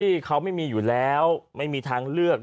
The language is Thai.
ที่เขาไม่มีอยู่แล้วไม่มีทางเลือก